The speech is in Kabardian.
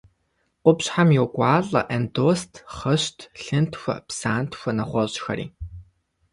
Къупщхьэм йокӏуалӏэ эндост, хъыщт, лъынтхуэ, псантхуэ, нэгъуэщӏхэри.